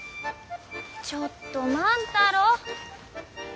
ちょっと万太郎。